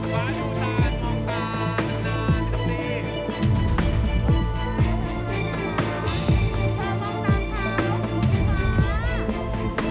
คุณฟ้าดูตามองตาน้ำนาน้ำสี